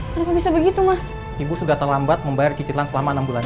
kenapa bisa begitu mas ibu sudah terlambat membayar cicilan selama enam bulan